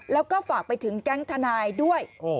แล้วก็ฝากไปถึงแก๊งทนายด้วย